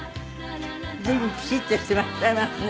随分ピシッとしてらっしゃいますね。